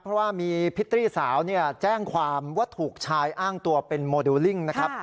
เพราะว่ามีพิตตี้สาวแจ้งความว่าถูกชายอ้างตัวเป็นโมเดลลิ่งนะครับ